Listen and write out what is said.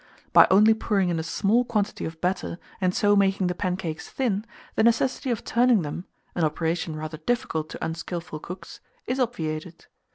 By only pouring in a small quantity of batter, and so making the pancakes thin, the necessity of turning them (an operation rather difficult to unskilful cooks) is obviated.